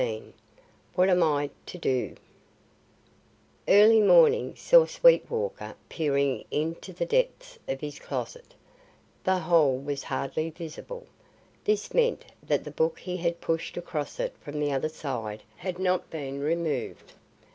XVIII. WHAT AM I TO DO NOW Early morning saw Sweetwater peering into the depths of his closet. The hole was hardly visible. This meant that the book he had pushed across it from the other side had not been removed.